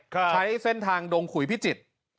ใช้เส้นทางดงขุยพิจิตร